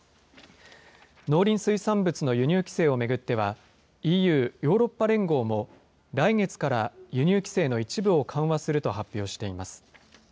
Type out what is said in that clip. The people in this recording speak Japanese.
農林水産物の輸入規制を巡っては、ＥＵ・ヨーロッパ連合も来月から輸入規制の一部を緩和すると発表しています。